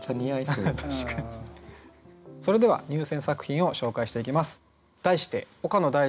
それでは入選作品を紹介していきます。